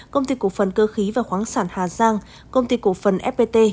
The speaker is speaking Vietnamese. công ty cổ phần cơ khí và khoáng sản hà giang công ty cổ phần fpt